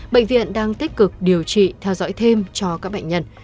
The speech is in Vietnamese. bệnh viện đang tích cực điều trị theo dõi thêm cho các bệnh nhân